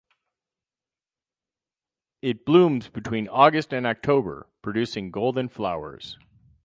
It blooms between August and October producing golden flowers.